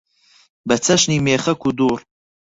بە چەشنی مێخەک و دوڕ